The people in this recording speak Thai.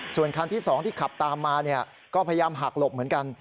ส่วนคันที่๒ที่ขับตามมาก็พยายามหักหลบเหมือนกัน